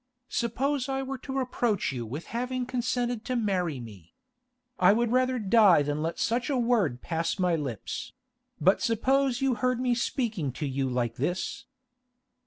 Suppose I were to reproach you with having consented to marry me? I would rather die than let such a word pass my lips—but suppose you heard me speaking to you like this?